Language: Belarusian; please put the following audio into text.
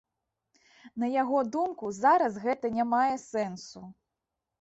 На яго думку, зараз гэта не мае сэнсу.